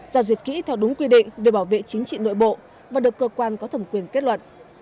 ra duyệt kỹ theo đúng quy định về bảo vệ chính trị nội bộ và được cơ quan có thẩm quyền kết luận